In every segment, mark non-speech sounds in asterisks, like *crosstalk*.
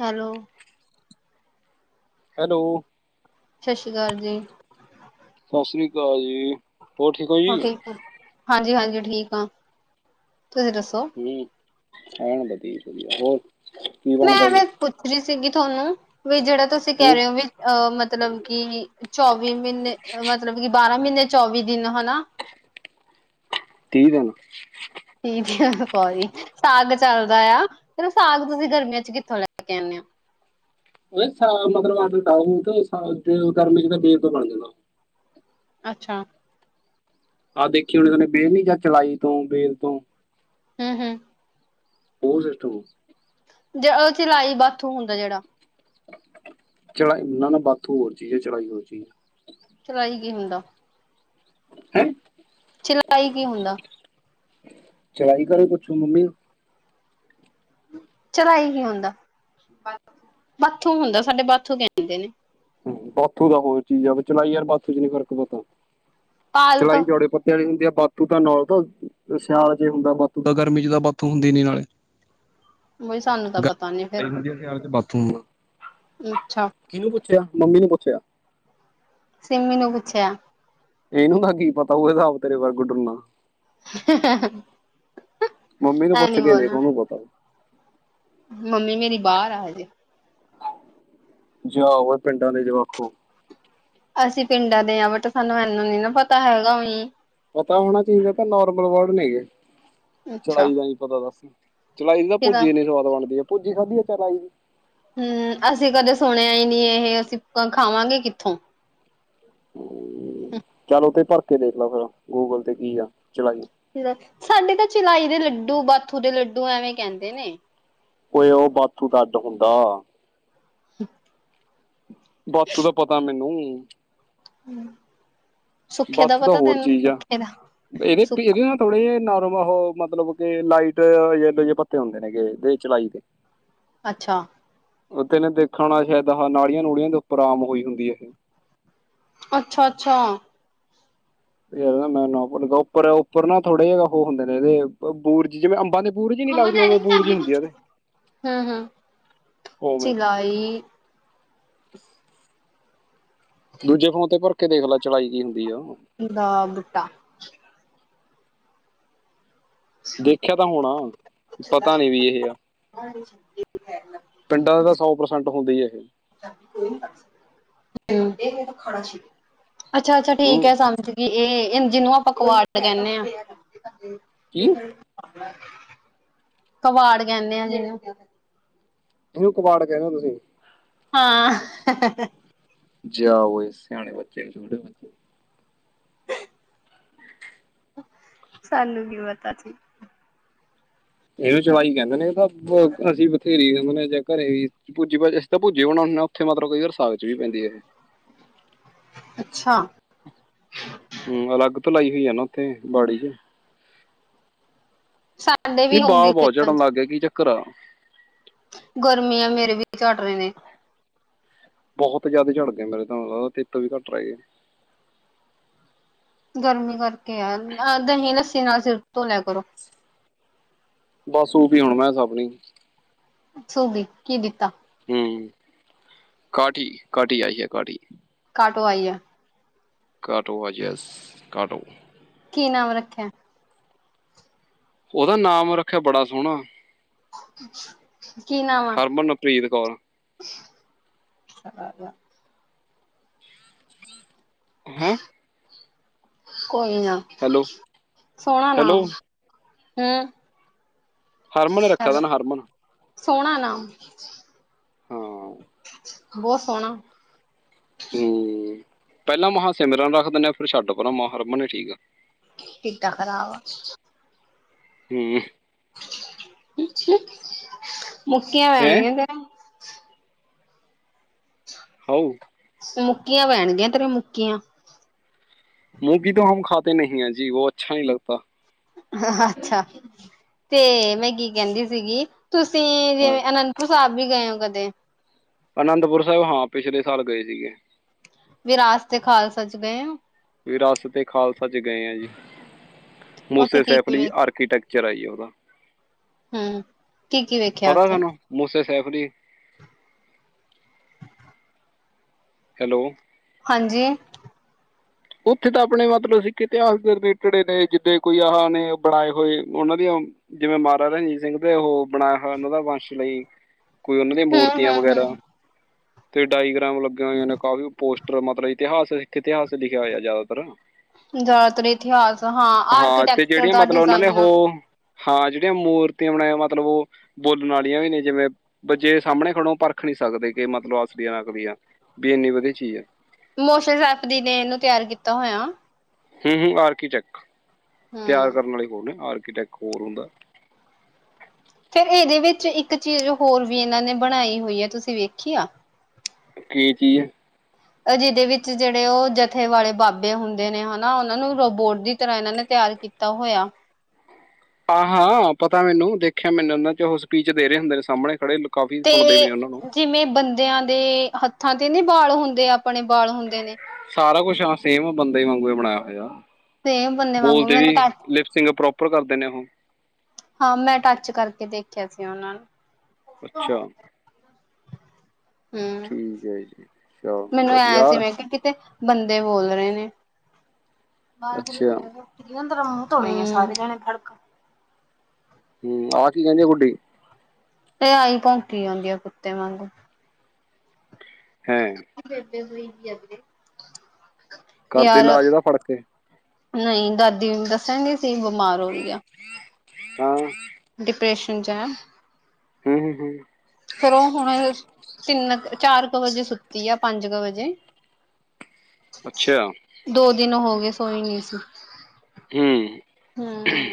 Hello hello ਸਤਿ ਸ੍ਰੀ ਅਕਾਲ ਜੀ ਸਤਿ ਸ੍ਰੀ ਅਕਾਲ ਜੀ ਠੀਕ ਹੋ ਹੋਰ ਜੀ? ਠੀਕ ਆ ਹਾਂਜੀ ਹਾਂਜੀ ਠੀਕ ਆ ਤੁਸੀਂ ਦੱਸੋ ਹੈ ਵਧੀਆ ਵਧੀਆ ਹੋਰ ਕੀ ਮੈਂ ਬਣਦਾ ਜੀ? ਐਵੇਂ ਪੁੱਛ ਰਹੀ ਸੀਗੀ ਤੁਹਾਨੂੰ ਵੀ ਜਿਹੜਾ ਤੁਸੀਂ ਕਹਿ ਹੂੰ, ਰਹੇ ਹੋ ਵੀ ਅਹ ਮਤਲਬ ਕਿ ਚੌਵੀ ਮਹੀਨੇ ਮਤਲਬ ਕਿ ਬਾਰਾਂ ਮਹੀਨੇ ਚੌਵੀ ਦਿਨ ਹਨਾ ਤੀ ਦੇਨ ਠੀਕ ਸੋਰੀ ਸਾਗ ਚੱਲਦਾ ਆ ਤੇੋ ਸਾਗ ਤੁਸੀਂ ਗਰਮੀਆਂ ਚ ਕਿੱਥੋਂ ਲੈ ਕਨ ਉਹ ਮਤਲਬ ਆਟ ਗਰਮੀ ਚ ਤਾਂ ਬਰ ਤੋਂ ਬਣ ਜਾਣਾ ਅੱਛਾ ਆਹ ਦੇਖੀ ਹੁਣੀ ਉਹਨੇ ਬੇਲ ਨ ਜਾਂ ਖਲਾਈ ਤੋਂ ਬੇਲ ਤੋਂ ਹੂੰ ਹੂੰ ਉਹ ਸਠ ਜ ਉਹ ਚਲਾਈ ਬਾਥੂ ਹੁੰਦਾ ਜਿਹੜਾ ਚਲਾਈ ਨਾ ਬਾਥ ਹੋਰ ਚੀਜ਼ ਹੈ ਚਲਾਈ ਹੋਰ ਚੀਜ਼ ਚਲਾਈ ਕੀ ਹੁੰਦਾ। ਹੈਂ। ਚਲਾਈ ਕੀ ਹੁੰਦਾ। ਚਲਾਈ ਬਾਰੇ ਪੁੱਛੋ ਮੰਮੀ ਨੂੰ ਚਲਾਈ ਕੀ ਹੁੰਦਾ ਬਾਥੂ ਹੁੰਦਾ ਸਾਡੇ ਬਾਥੂ ਕਹਿੰਦੇ ਨੇ। ਬਾਥੂ ਦਾ ਹੋਰ ਚੀਜ਼ ਆ ਚਲਾਈ ਯਾਰ ਬਾਥੂ ਚ ਨੀ ਫ਼ਰਕ ਪਤਾ। ਪਾਲਕ ਚਲਾਈ ਚੌੜੇ ਪੱਤਿਆਂ ਦੀ ਹੁੰਦੀ ਆ। ਬਾਥੂ ਤਾਂ ਨਾਲ ਤਾਂ ਸਿਆਲ ਚ ਹੁੰਦਾ ਬਾਥੂ ਤਾਂ ਗਰਮੀ ਚ ਤਾਂ ਬਾਥੂ ਹੁੰਦੀ ਨੀ ਨਾਲੇ। ਬਈ ਸਾਨੂੰ ਤਾਂ ਪਤਾ ਨੀ ਫੇਰ ਗਰਮੀ ਤੇ ਬਾਥੂ ਹੁੰਦਾ। ਅੱਛਾ। ਕਿਹਨੂੰ ਪੁੱਛਿਆ ਮੰਮੀ ਨੂੰ ਪੁੱਛਿਆ। ਸਿੰਮੀ ਨੂੰ ਪੁੱਛਿਆ। ਇਹਨੂੰ ਦਾ ਕੀ ਪਤਾ ਉਹ ਹਿਸਾਬ ਤੇਰੇ ਵਰ ਗੁਡਰਨਾ ਮੰਮੀ ਨੂੰ ਐ ਪੁੱਛ ਨੀ ਕੇ ਦੇਖ ਉਹ ਬੋਲਣਾ ਨੂੰ ਪਤਾ। ਮੰਮੀ ਮੇਰੀ ਬਾਹਰ ਆ ਹਜੇ। ਜਾਓ ਪਿੰਡਾਂ ਦੇ ਜਵਾਕੋ। ਅਸੀਂ ਪਿੰਡਾਂ ਦੇ ਹਾਂ ਬਟ ਸਾਨੂੰ ਇਹਨੂੰ ਨੀ ਨਾ ਪਤਾ ਹੈਗਾ। ਪਤਾ ਹੋਣਾ ਚਾਹੀਦਾ ਤਾਂ ਨੋਰਮਲ ਵਰਡ ਨੇਗੇ ਅੱਛਾ ਚੜਾਈ ਦਾ ਨੀ ਪਤਾ ਦੱਸ ਚਲਾਈ ਨਾ ਠੀਕ ਆ ਭੂਜੀ ਨੀ ਸਵਾਦ ਬਣਦੀ ਹੈ ਭੂਜੀ ਖਾਧੀ ਆ ਚਲਾਈ ਹੂੰ ਅਸੀਂ ਕਦੇ ਸੁਣਿਆ ਹੀ ਨਹੀਂੀ ਇਹ ਅਸੀਂ ਖਾਵਾਂਗੇ ਕਿੱਥੋਂ। ਹੂੰ ਚੱਲ ਤੇ ਭਰ ਕੇ ਦੇਖ ਲਓ ਫੇਰ ਗੂਗਲ ਤੇ ਕੀ ਆ ਚਲਾਈ। ਸਾਡੇ ਤਾਂ ਚਲਾਈ ਦੇ ਲੱਡੂ ਬਾਥੂ ਦੇ ਲੱਡੂ ਐਵੇਂ ਕਹਿੰਦੇ ਨੇ। ਓਏ ਉਹ ਬਾਥੂ ਅੱਡ ਹੁੰਦਾ ਹੂੰ ਬਾਥੂ ਦਾ ਪਤਾ ਮੈਨੂੰ। ਹੂੰ ਬਾਥੂ ਤਾਂ ਹੋਰ ਚੀਜ਼ ਆ ਇਹਦੇ ਸੁੱਖ ਇਹਦੇ ਨਾਲ ਥੋੜੇ ਜਹੇ ਨਰਮ ਮਤਲਬ ਕੇ ਲਾਈਟ ਯਲੋ ਜ ਪੱਤੇ ਹੁੰਦੇ ਨੇਗੇ ਦੇ ਚਲਾਈ ਦੇ। ਅੱਛਾ ਉਹ ਤਨੇ ਦੇਖਣ ਨਾਲ ਸ਼ਾਇਦ ਨਾਲੀਆਂ ਨੂੜੀਆਂ ਦੇ ਉੱਪਰ ਆਮ ਹੋਈ ਹੁੰਦੀ ਇਹ ਅੱਛਾ, ਅੱਛਾ ਯਾਰ ਮੈਂ ਉੱਪਰ ਉਪਰ ਨਾ ਥੋੜ੍ਹੇ ਜਿਹੇ ਉਹ ਹੁੰਦੇ ਨੇ ਬੁਰਜੀ ਜਿਵੇਂ ਅੰਬਾਂ ਦੇ ਬੂਰਜ ਨਹੀਂ ਮੰਮਾ ਲੱਗਦੇ ਡੈਡੀ ਉਵੇਂ ਨੂੰ ਜਾ ਬੂਰਜ ਕੇ ਹੁੰਦੀ ਆ ਪੁੱਛ ਇਹਦੇ ਹੂੰ ਹੂੰ ਉਵੇਂ ਚਲਾਈ ਦੂਜੇ ਫੋਨ ਤੇ ਭਰ ਕੇ ਦੇਖ ਲੈ ਚਲਾਈ ਕੀ ਹੁੰਦੀ ਆ ਦਾ ਬੂਟਾ ਦੇਖਿਆ ਤਾਂ ਹੁਣਾ ਪਤਾ ਨੀ ਵੀ ਇਹ ਆ ਪਿੰਡਾਂ ਦੇ ਤਾਂ ਸੌ ਪ੍ਰਸੈਂਟ ਹੁੰਦੇ ਹੀ ਇਹ *unintelligible* ਅੱਛਾ ਅੱਛਾ ਠੀਕ ਹੂੰ ਹੈ ਸਮਝ ਗਈ ਇਹ ਜਿਹਨੂੰ ਆਪਾਂ ਕੁਆੜ ਦਾ ਕਹਿੰਦੇ ਆ ਕੀ *inaudible* ਕਬਾੜ ਕਹਿੰਣੇ ਆ ਜਿਨੂੰ ਇਹਨੂੰ ਕਬਾੜ ਕਹਿਦੇ ਹੋ ਤੁਸੀਂ ਹਾਂ ਜਾ ਓਏ ਸਿਆਣੇ ਬੱਚੇ ਸਾਨੂੰ ਕੀ ਪਤਾ ਸੀ ਇਹਨੂੰ ਚਲਾਈ ਕਹਿੰਦੇ ਨੇ ਅਸੀ ਬਥੇਰੀ *unintelligible* ਵੀ ਪੈਂਦੀ। ਅੱਛਾ ਹੂੰ ਅਲੱਗ। ਭਲਾਈ ਹੋਈ ਆ ਨਾ ਉੱਥੇ ਬਾੜੀ ਚ। ਸਾਡੇ ਨੀ ਵੀ ਬਾਲ ਹੋਊਗੀ ਬਹੁਤ ਚੜਨ ਲੱਗ ਗਏ ਕੀ ਚੱਕਰ ਆ। ਗਰਮੀਆਂ ਮੇਰੇ ਵੀ ਝੜ ਰਹੇ ਨੇ। ਬਹੁਤ ਜਿਆਦਾ ਝੜ ਗਏ ਮੇਰੇ ਤੇਰੇ ਤੋ ਵੀ ਘੱਟ ਰਹਿਗੇ। ਗਰਮੀ ਕਰਕੇ ਆ ਦਹੀਂ ਲੱਸੀ ਨਾਲ ਸਿਰ ਧੋ ਲਿਆ ਕਰੋ। ਬਸ ਉਹ ਵੀ ਹੁਣ ਮੈਂ ਸਭਣੀ। ਸੂਗੀ ਕੀ ਦਿੱਤਾ। ਹਮ ਕਾਠੀ ਕਾਠੀ ਆਈ ਹੈ ਕਾਠੀ। ਪਾਟੋ ਆਈ ਹੈ। ਘਾਟੋ ਅਜੱਸ ਘਾਟੋ। ਕੀ ਨਾਮ ਰੱਖਿਆ। ਉਹਦਾ ਨਾਮ ਰੱਖਿਆ ਬੜਾ ਸੋਹਣਾ। ਕੀ ਨਾਮ ਆ। ਹਰਮਨਪ੍ਰੀਤ ਕੌਰ ਆ। ਹੈਂ। ਕੋਈ ਨਾ ਸੋਹਣਾ ਨਾਮ। ਹੈਲੋ ਹੂੰ। ਹਰਮਨ ਰੱਖਿਆ ਦਾ ਨਾ ਹਰਮਨ। ਸੋਨਾ ਨਾਮ। ਹਾਂ ਬਹੁਤ ਸੋਹਨਾ। ਹੂੰ ਪਹਿਲਾਂ ਮਹਾ ਸਿਮਰਨ ਰੱਖ ਦਿੰਦੇ ਆ ਫਿਰ ਛੱਡ ਪਰਾਂ ਮਹਾਂ ਰਮਨ ਨੇ ਠੀਕ ਆ। ਕਿਦਾਂ ਖਰਾਬ ਆ। ਹੂੰ। ਮੁੱਕੀਆਂ ਹੈ ਪੈਨਗੀਆ ਤੇਰੇ। ਹ। ਮੁੱਕੀਆਂ ਪੈਣਗੀਆਂ ਤੇਰੇ ਮੁੱਕੀਆਂ। ਮੂੰਗੀ ਤੋਂ ਹਮ ਖਾਤੇ ਨਹੀਂ ਹੈ ਜੀ ਉਹ ਅੱਛਾ ਨਹੀਂ ਲਗਦਾ। ਅੱਛਾ ਤੇ ਮੈਂ ਕੀ ਕਹਿੰਦੀ ਸੀਗੀ। ਤੁਸੀਂ ਜਿਵੇਂ ਅਨੰਦਪੁਰ ਸਾਹਿਬ ਵੀ ਗਏ ਹੋ ਕਦੇ। ਅਨੰਦਪੁਰ ਸਾਹਿਬ ਹਾਂ ਪਿਛਲੇ ਸਾਲ ਗਏ ਸੀਗੇ। ਵਿਰਾਸਤ ਤੇ ਖਾਲਸਾ ਚ ਗਏ ਓ। ਰਸ ਤੇ ਖਾਲਸਾ ਚ ਗਏ ਆ ਜੀ ਉੱਥੇ ਮੂਸੇ ਕੀ ਕੀ ਸੈਫਲੀ ਵੇਖ ਆਰਕੀਟੈਕ। ਚਰਈ ਉਹਦਾ ਹੂੰ ਕੀ-ਕੀ ਵੇਖਿਆ ਪਤਾ ਉੱਥੇ? ਤੁਹਾਨੂੰ ਮੂਸੇ। ਸੈਫਲੀ। ਹੈਲੋ। ਹਾਂਜੀ। ਉੱਥੇ ਤਾਂ ਆਪਣੇ ਮਤਲਬ ਸਿੱਖ ਇਤਿਹਾਸ ਦੇ ਰਿਲੇਟਡ ਨੇ ਜਿੱਦਾਂ ਕੋਈ ਆਹ ਨੇ ਬਣਾਏ ਹੋਏ ਉਹਨਾਂ ਦੀਆਂ। ਜਿਵੇਂ ਮਹਾਰਾਜਾ ਰਣਜੀਤ ਸਿੰਘ ਦੇ ਉਹ ਬਣਾਇਆ ਹੋਇਆ ਉਹਨਾਂ ਦਾ ਵੰਸ਼ ਲਈ। ਕੋਈ ਉਹਨਾਂ ਦੀਆਂ ਮੂਰਤੀਆਂ ਵਗੈਰਾ। ਹੂੰ-ਹੂੰ-ਹੂੰ ਤੇ ਡਾਇਗ੍ਰਾਮ ਲੱਗਾ ਹੋਇਆ ਨੇ ਕਾਫੀ ਪੋਸਟਰ ਮਤਲਬ ਇਤਿਹਾਸ ਇਥੇ ਇਤਿਹਾਸ ਲਿਖਿਆ ਹੋਇਆ ਜ਼ਿਆਦਾਤਰ। ਜ਼ਿਆਦਾਤਰ ਇਤਿਹਾਸ ਹਾਂ ਹਾਂ ਤੇ ਆਰਕੀਟੈਕਚਰ ਜਿਹੜੀਆਂ ਦਾ ਮਤਲਬ ਉਹਨਾਂ ਨੇ ਡਿਜ਼ਾਇਨ ਆ। ਉਹ ਹਾਂ ਜਿਹੜੀਆਂ ਮੂਰਤੀਆਂ ਬਣਾ ਮਤਲਬ ਉਹ ਬੋਲਣ ਵਾਲੀਆਂ ਵੀ ਨੇ ਜਿਵੇਂ ਬਜੇ ਸਾਹਮਣੇ ਖੜੋ ਪਰ। ਦੇਖ ਨੀ ਸਕਦੇ ਕਿ ਮਤਲਬ ਅਸਦੀਆਂ ਨਕਦੀਆਂ ਵੀ ਇੰਨੀ ਵਧੀਆ ਚੀਜ਼ ਆ। ਮੋਸ ਸੈਪਦੀ ਨੇ ਇਹਨੂੰ ਤਿਆਰ ਕੀਤਾ ਹੋਇਆ। ਹਮ-ਹਮ ਆਰਕੀ ਚੈੱਕ ਤਿਆਰ ਹੂੰ। ਕਰਨ ਵਾਲੇ ਹੋਰ ਨੇ ਆਰਕੀ। ਆਰਕੀਟੇਕ ਹੋਰ ਹੁੰਦਾ। ਫਿਰ ਇਹਦੇ ਵਿੱਚ ਇੱਕ ਚੀਜ਼ ਹੋਰ ਵੀ ਇਹਨਾਂ ਨੇ ਬਣਾਈ ਹੋਈ ਆ ਤੁਸੀਂ ਵੇਖੀ ਆ। ਕੀ ਚੀਜ਼। ਓ ਜਿਹਦੇ ਵਿੱਚ ਜਿਹੜੇ ਉਹ ਜਥੇ ਵਾਲੇ ਬਾਬੇ ਹੁੰਦੇ ਨੇ ਹਨਾ ਉਹਨਾਂ ਨੂੰ ਰੋਬੋਟ ਦੀ ਤਰ੍ਹਾਂ ਇਹਨਾਂ ਨੇ ਤ ਤਿਆਰ ਕੀਤਾ ਹੋਇਆ। ਆਹ ਹਾਂ ਪਤਾ ਮੈਨੂੰ ਦੇਖਿਆ ਮੈਨੂੰ ਉਹਨਾਂ ਚ ਉਹ ਸਪੀਚ ਦੇ ਰਹੇ ਹੁੰਦੇ ਨੇ ਸਾਹਮਣੇ ਖੜੇ ਕਾਫੀ ਸੁਣਦੇ ਵੀ ਤੇ ਨੇ ਉਹਨਾਂ ਨੂੰ ਜਿਵੇਂ ਬੰਦਿਆਂ ਦੇ ਹੱਥਾਂ ਤੇ ਨੀ ਬਾਲ ਹੁੰਦੇ ਆ ਆਪਣੇ ਬਾਲ ਹੁੰਦੇ ਨੇ ਸਾਰਾ ਕੁਛ ਹਾਂ ਸੇਮ ਬੰਦੇ ਹੀ ਵਾਂਗੂ ਬਣਾਇਆ ਹੋਇਆ ਸੇਮ ਬੰਦੇ ਵਾਂਗੂ ਬੋਲਦੇ ਮੈਨੇ ਵੀ ਟੱਚ ਲਿਪਸਿੰਗ ਪ੍ਰੋਪਰ ਕਰਦੇ ਨੇ ਉਹ ਹਾਂ ਮੈਂ ਟੱਚ ਕਰਕੇ ਦੇਖਿਆ ਸੀ ਉਹਨਾਂ ਨੁ ਅੱਛਾ ਹਮ ਠੀਕ ਹੈ ਜੀ ਅੱਛਾ ਮੈਨੂੰ ਐ ਵਧੀਆ ਸੀ ਮੈਂ ਕਿਹਾ ਕਿਤੇ ਬੰਦੇ ਬੋਲ ਰਹੇ ਨੇ ਅੱਛਾ ਅੰਦਰ ਮੂੰਹ ਧੋਹ ਲਈਏ ਸਾਰੇ ਜਾਣੇ ਰਲਕਾ! ਹਮ ਆ ਕੀ ਕੇਹਂਦੀ ਆ ਗੂਡੀ ਇਹ ਆਹੀ ਭੋਂਕੀ ਜਾਦੀ ਆ ਕੁੱਤੇ ਵਾਂਗੂ ਹੇਂ- ਕਰਦੇ ਹੋਏ ਜ ਅਗਗੇ *inaudible* ਕਰਦੇ ਲਾਜ ਇਹਦਾ ਫੜਕੇ ਨਹੀਂ ਦਾਦੀ ਦੱਸਣ ਦੀ ਸੀ ਬਿਮਾਰ ਹੋ ਰਹੀ ਆ! ਹਾਂ- ਡਿਪ੍ਰੈਸ਼ਨ ਚ ਏ ਹਮ-ਹਮ- ਹਮ। ਤਿੰਨ ਕੁ ਚਾਰ ਕੁ ਵਜੇ ਸੁੱਤੀ ਆ ਪੰਜ ਕੁ ਵਜੇ ਅੱਛਾ ਦੋ ਦਿਨ ਹੋ ਗਏ ਸੋਈ ਨਹੀਂ ਸੀ! ਹਮ।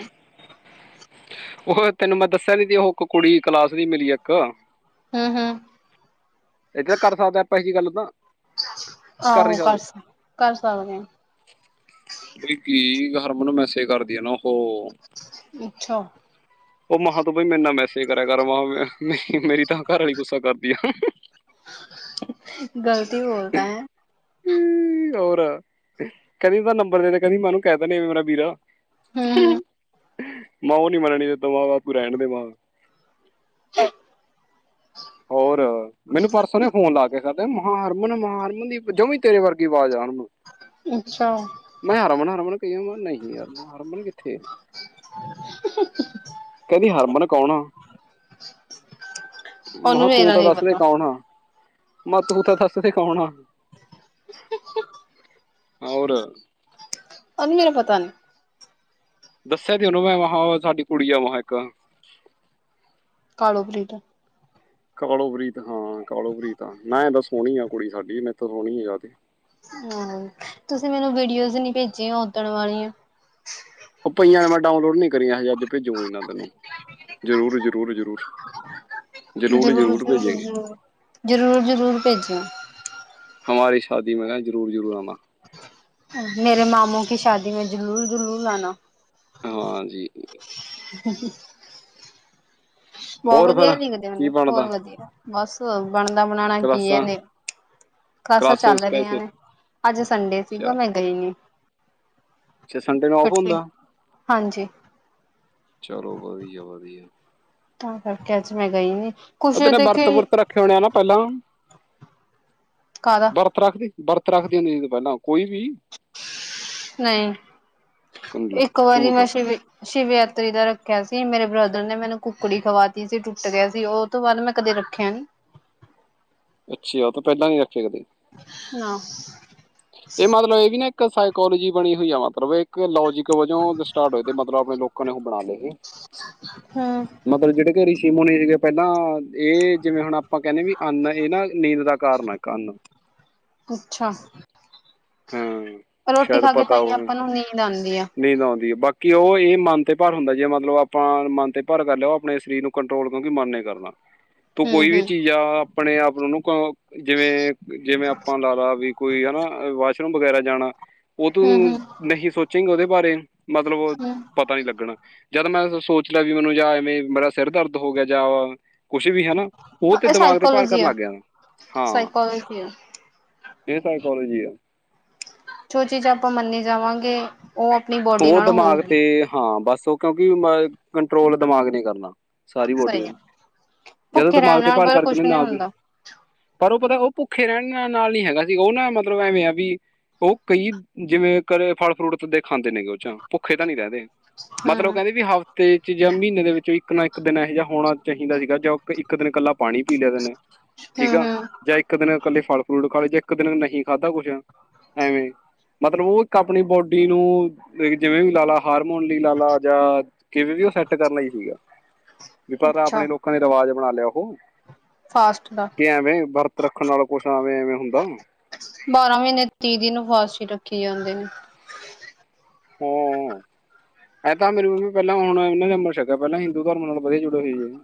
ਉਹੇ ਤੈਨੂੰ ਮੈਂ ਦੱਸਿਆ ਨੀ ਸੀ ਉਹ ਇੱਕ ਕੁੜੀ ਕਲਾਸ ਦੀ ਮਿਲੀ ਇੱਕ ਹਮ-ਹਮ ਇੱਧਰ ਕਰ ਸਕਦਾ ਹਾ ਆਪਾਂ ਇਹੀ ਜੀ ਗੱਲ ਤਾਂ ਆਹੋ, ਨਹੀਂ ਕਰ ਸਕਦੇ ਕਰ ਸਕਦੇ ਆ ਬਈ ਕੀ ਹਰਮਨ ਮੈਸੇਜ ਕਰਦੀ ਆ ਨਾ ਓ ਅੱਛਾ ਉਹ ਮਾਂ ਤੂੰ ਬਾਈ ਮੈਨਾ ਨਾ ਮੈਸੇਜ ਕਰਿਆ ਕਰ ਮਹਾਂ ਮੇਰੀ ਤਾਂ ਘਰ ਆਲੀ ਗੁੱਸਾ ਕਰਦੀ ਆ ਗਲਤ ਹੀ ਬੋਲਤਾ ਹੈ ਹੋਰ ਕਹਿੰਦੀ ਉਹਦਾ ਨੰਬਰ ਦੇਦੇ ਕਹਿੰਦੀ ਮੈਂ ਉਹਨੂੰ ਕਹਿ ਦਿੰਦੀ ਉਹ ਮੇਰਾ ਵੀਰਾ ਹਮ ਹਮ ਮਾ ਔ ਨੀ ਮੰਨਣੀ ਔਤ ਤੋਂ ਬਾਦ ਅ ਤੂੰ ਰੈਣ ਦੇ ਵਾ *inaudible* ਹੋਰ ਮੈਨੂੰ ਪਰਸੋਂ ਨੇ ਫੋਨ ਲਾ ਕੇਦੇ ਮਹਾਰਮਨ ਮਹਾਰਮਨ ਦੀ ਜਵਾ ਤੇਰੇ ਵਰਗੀ ਆਵਾਜ਼ ਆ। ਹਣ ਨੂੰ ਅੱਛਾ ਮੈਂ ਹਰਮਨ, ਹਰਮਨ ਕਹੀ ਆ ਮੈਂ ਨਹੀਂ ਯਾਰ ਹਰਮਨ ਕਿੱਥੇ। ਕਹਿੰਦੀ ਹਰਮਨ ਕੌਣ ਆ। ਉਹਨੂੰ ਮਹਾ ਤੂੰ ਮੇਰਾ ਤਾਂ ਨਹੀਂ ਦੱਸ ਦੇ ਪਤਾ ਕੌਣ ਆ। ਮੈਂ ਤੂੰ ਤਾਂ *unintelligible* ਔਰ ਆਨੀ ਮੇਰਾ ਪਤਾ ਨੀ। ਦੱਸਿਆ ਸੀ ਉਨੂੰ ਮੈਂ ਵਹਾਂ ਸਾਡੀ ਕੁੜੀ ਐ ਵਹਾਂ ਇੱਕ। ਕਾਲੋ ਪ੍ਰੀਤ। ਕਾਲੋ ਪ੍ਰੀਤ ਹਾਂ ਕਾਲੋ ਪ੍ਰੀਤ ਆ ਮੈਂ ਇਹ ਤਾਂ ਸੋਹਣੀ ਆ ਕੁੜੀ ਸਾਡੀ ਮੇ ਤੋਂ ਸੋਹਣੀ ਆ ਯਾ ਤੇ। ਹਮ ਤੁਸੀਂ ਮੈਨੂੰ ਵੀਡੀਓਜ਼ ਨੀ ਭੇਜੇ ਉੱਦਣ ਵਾਲੀਆ। ਉਹ ਪਈਆਂ ਨੇ ਮੈਂ ਡਾਊਨਲੋਡ ਨੀ ਕਰੀਆਂ ਹਜੇ ਅੱਜ ਭੇਜੂ ਕੋਈ ਨਾ ਤੈਨੂੰ ਜ਼ਰੂਰ-ਜ਼ਰੂਰ, ਜ਼ਰੂਰ। ਜ਼ਰੂਰ ਜ਼ਰੂਰ-ਜ਼ਰੂਰ, ਜ਼ਰੂਰ ਭੇਜੇਗੇ ਜ਼ਰੂਰ-ਜ਼ਰੂਰ, ਜ਼ਰੂਰ ਭੇਜਿਓ। ਹਮਾਰੀ ਸ਼ਾਦੀ ਮੈਂ ਨਾ ਜ਼ਰੂਰ-ਜ਼ਰੂਰ ਆਨਾ। ਮੇਰੇ ਮਾਮੂ ਕੀ ਸ਼ਾਦੀ ਮੇ ਜਲੂਲ-ਜਲੂਲ ਆਨਾ। ਹਾਂਜੀ ਬਹੁਤ ਹੋਰ ਵਧੀਆ ਫਿਰ ਕੀ *unintelligible* ਹੋਰ ਬਣਦਾ ਵਧੀਆ ਬਸ ਬਣਨਾ ਬਣਾਉਣਾ ਕੀ ਕਲਾਸਾਂ ਐਨੇ। ਕਲਾਸਾ ਚੱਲ ਕਲਾਸਸ ਰਹੀਆਂ ਕੈਸੇ ਨੇ। ਅੱਜ ਸੰਡੇ ਅੱਛਾ ਸੀਗਾ ਮੈਂ ਗਈ ਨੀ। ਅੱਛਾ, ਸੰਡੇ ਨੂੰ ਆਫ ਇਕੱਠੇ ਹੁੰਦਾ। ਹਾਂਜੀ ਚਲੋ ਵਧੀਆ-ਵਧੀਆ। ਤਾਂ ਕਰਕੇ ਅੱਜ ਮੈਂ ਗਈ ਨੀ। ਉਹ ਕੁਛ ਤੇਨੇ ਦੇਖੀ ਵਰਤ-ਵੁਰਤ ਰੱਖੇ ਹੋਣੇ ਆ ਨਾ ਪਹਿਲਾ। ਕਾਹਦਾ ਵਰਤ ਰੱਖਦੀ, ਵਰਤ ਰੱਖਦੀ ਹੁੰਦੀ ਪਹਿਲਾ। ਨਹੀਂ ਕੰਨ ਲੈ ਇੱਕ ਵਾਰੀ ਝੂਠ ਮੈਂ ਸ਼ਿਵ ਸ਼ਿਵਯਾਤਰੀ ਦਾ ਰਖਿਆ ਸੀ ਮੇਰੇ ਬ੍ਰਦਰ ਨੇ ਮੈਨੂੰ ਕੁੱਕੜੀ ਖਵਾਤੀ ਸੀ ਟੁੱਟ ਗਿਆ ਸੀ ਉਹ ਤੋਂ ਬਾਅਦ ਮੈਂ ਕਦੇ ਰੱਖਿਆ ਨੀ। ਅੱਛੀ ਉਹ ਤਾਂ ਪਹਿਲਾਂ ਹੀ ਰੱਖੇ ਕਦੀ। ਨਾ ਏ ਮਤਲਬ ਏ ਵੀ ਨਾ ਇੱਕ ਸਾਈਕੋਲੋਜੀ ਬਣੀ ਹੋਈ ਆ ਮਤਲਬ ਕੇ ਲੋਜਿਕ ਵਜੋਂ ਜੇ ਸਟਾਰਟ ਹੋਏ ਤੇ ਮਤਲਬ ਏ ਲੋਕਾਂ ਨੇ ਉਹ ਬਣਾ ਲਏ ਇਹ। ਹਮ ਮਤਲਬ ਜਿਹੜੇ ਕਿ ਰਿਸ਼ੀ ਮੁਨੀ ਸੀਗੇ ਪਹਿਲਾ ਇਹ ਜਿਵੇਂ ਹੁਣ ਆਪਾਂ ਕਹਿੰਦੇ ਵੀ ਅੰਨ ਇਹ ਨਾ ਨੀਂਦ ਦਾ ਕਾਰਨ ਹੈ ਕੰਨ। ਅੱਛਾ ਹਾਂ ਰੋਟੀ ਸ਼ਾਇਦ ਖਾ ਕੇ ਤਾਂ ਪਤਾ ਹੀ ਹੋਵੇ ਆਪਾਂ ਨੂੰ ਨੀਂਦ ਆਂਦੀ ਐ। ਨੀਂਦ ਬਾਕੀ ਉਹ ਇਹ ਮਨ ਤੇ ਭਾਰ ਹੁੰਦਾ ਜੇ ਮਤਲਬ ਆਪਾਂ ਮਨ ਤੇ ਭਾਰ ਕਰ ਲਿਆ ਆਪਣੇ ਸਰੀਰ ਨੂੰ ਕੰਟਰੋਲ ਕਿਉਂਕਿ ਮਨ ਨੇ ਕਰਨਾ। ਤੂੰ ਕੋਈ ਹਮ ਵੀ ਹਮ ਚੀਜ਼ ਆ ਆਪਣੇ ਆਪ ਨੂੰ ਜਿਵੇਂ-ਜਿਵੇਂ ਆਪਾਂ ਲ ਲਾ ਵੀ ਹੈਨਾ ਵਾਸ਼ਰੂਮ ਵਗੈਰਾ ਜਾਣਾ ਔ ਤੂੰ ਹਮ ਹਮ ਨਹੀਂ ਸੋਚੇਗ ਉਹਦੇ ਬਾਰੇ। ਮਤਲਬ ਉਹ ਪਤਾ ਨੀ ਲੱਗਣਾ ਜਦ ਮੈਂ ਸੋਚ ਲਿਆ ਵੀ ਮੈਨੂੰ ਜਾ ਨਈ ਬੜਾ ਸਿਰ ਦਰਦ ਹੋ ਗਿਆ ਜਾ ਵਾ ਕੁਛ ਵੀ ਹਨਾ ਉਹ ਹਮ ਤੇ ਇਹ ਦਿਮਾਗ ਤੇ ਭਾਰ ਸਾਈਕੋਲੋਜੀ ਕਰਨ ਆ ਲੱਗ ਗਿਆ ਹਾਂ। ਸਾਈਕੋਲੋਜੀ ਆ ਇਹ ਸਾਈਕੋਲੋਜੀ ਆ। ਜੋ ਚੀਜ਼ ਆਪਾਂ ਮੰਨੀ ਜਾਵਾਂਗੇ ਉਹ ਆਪਣੀ ਬੋਡੀ ਉਹ ਨਾਲ ਦਿਮਾਗ ਤੇ ਹੋਊਗੀ ਹਾਂ ਬਸ ਉਹ ਕਿਉਂਕਿ ਕੰਟਰੋਲ ਦਿਮਾਗ ਨੇ ਕਰਨਾ। ਸਾਰੀ ਬੋਡੀ ਸਹੀ ਆ ਨੂੰ ਜਦੋਂ ਭੁੱਖੇ ਦਿਮਾਗ ਰਹਿਣ ਤੇ ਨਾਲ ਭਾਰ ਪਰ ਕੁਛ ਕਰਦਦੇ ਨੀ ਨਾ ਦੀ ਹੁੰਦਾ ਪਰ ਉਹ ਪਤਾ ਉਹ ਭੁੱਖੇ ਰਹਿਣ ਨਾਲ ਨੀ ਹੈਗਾ ਸੀ ਉਹ ਨਾ ਮਤਲਬ ਐਵੇਂ ਆ ਵੀ ਉਹ ਕਈ ਜਿਵੇਂ ਕ ਫਲ ਫਰੂਟ ਤੋਂ ਦੇਖ ਖਾਂਦੇ ਨੇਗੇ ਉਹ ਚਾ ਭੁੱਖੇ ਤਾਂ ਨੀ ਰਹਿੰਦੇ ਮਤਲਬ ਹਮ ਕਹਿੰਦੇ ਵੀ ਹਫ਼ਤੇ ਚ ਜਾਂ ਮਹੀਨੇ ਦੇ ਵਿੱਚ ਵੀ ਇੱਕ ਦਿਨ ਇਹੋ ਜਿਹਾ ਹੋਣਾ ਚਾਹੀਦਾ ਸੀਗਾ ਜੋ ਇੱਕ ਦਿਨ ਇਕੱਲਾ ਪਾਣੀ ਪੀ ਲਿਆਦੇ ਨੇ। ਠੀਕ ਹਮ ਆ ਹਮ ਜਾਂ ਇੱਕ ਦਿਨ ਇਕੱਲੇ ਫਲ ਫਰੂਟ ਖ ਲਈ ਜਾਂ ਇੱਕ ਦਿਨ ਨਹੀਂ ਖਾਧਾ ਕੁਛ ਐਵੇਂ ਮਤਲਬ ਉਹ ਇੱਕ ਆਪਣੀ ਬੋਡੀ ਜਿਵੇਂ ਵੀ ਲਾ ਲਾ ਹਾਰਮੋਨ ਲਈ ਲਾ ਲਾ ਜਾਂ ਕਿਵੇਂ ਵੀ ਉਹ ਸੈਟ ਕਰਨ ਲਈ ਸੀਗਾ। ਵੀ ਪਰ ਅੱਛਾ ਆਪਣੇ ਲੋਕਾਂ ਦੇ ਰਿਵਾਜ਼ ਬਣਾ ਲਿਆ ਉਹ ਫਾਸਟ ਦਾ ਕਿ ਐਵੇਂ ਵਰਤ ਰੱਖਣ ਨਾਲ ਕੁਛ ਐਵੇਂ ਐਵੇਂ ਹੁੰਦਾ। ਬਾਰਾਂ ਮਹੀਨੇ ਤੀ ਦੀਨ ਫਾਸ ਰੱਖੀ ਜਾਂਦੇ ਨੇ ਹਮ, ਇਹ ਤਾਂ ਮੇਰੀ ਮੰਮੀ ਪਹਿਲਾਂ ਹੁਣ ਨਾ ਅਮ੍ਰਿਤ ਸ਼ਕਿਆ ਪਹਿਲਾਂ ਹਿੰਦੂ ਧਰਮ ਨਾਲ ਵਧੀਆ ਜੁੜੇ ਹੋਏ ਸੀ।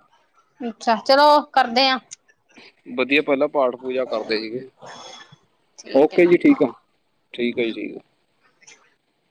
ਅੱਛਾ ਚਲੋ ਕਰਦੇ ਹ ਵਧੀਆ ਪਹਿਲਾ ਪਾਠ ਪੂਜਾ ਕਰਦੇ ਸੀਗੇ ਠੀਕ ਹੈ ਓਕੇ ਜੀ ਠੀਕ ਆ ਠੀਕ ਆ ਜੀ ਠੀਕ ਆ।